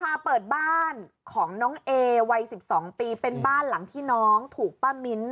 มาเปิดบ้านของน้องเอวัย๑๒ปีเป็นบ้านหลังที่น้องถูกป้ามิ้น